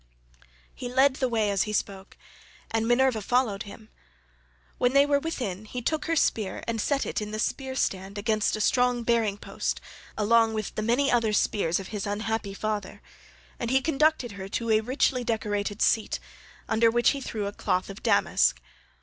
He led the way as he spoke, and Minerva followed him. When they were within he took her spear and set it in the spear stand against a strong bearing post along with the many other spears of his unhappy father, and he conducted her to a richly decorated seat under which he threw a cloth of damask.